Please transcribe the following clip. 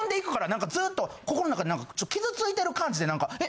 なんかずっと心の中で傷ついてる感じでえ？